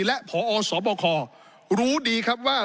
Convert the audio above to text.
และพอสบครู้ดีครับว่า